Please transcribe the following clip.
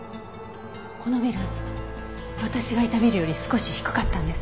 このビル私がいたビルより少し低かったんです。